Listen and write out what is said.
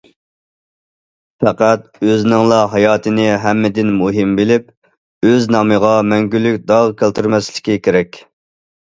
پەقەت ئۆزىنىڭلا ھاياتىنى ھەممىدىن مۇھىم بىلىپ، ئۆز نامىغا مەڭگۈلۈك داغ كەلتۈرمەسلىكى كېرەك.